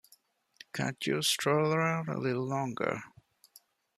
Can't you stroll around a little longer?